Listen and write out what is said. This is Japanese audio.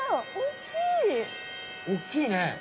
大きいね！